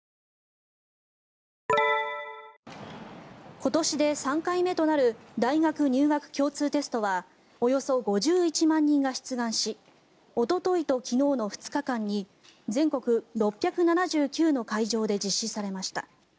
今年で３回目となる大学入学共通テストはおよそ５１万人が出願しおとといと昨日の２日間に全国６７９の会場で実施されました。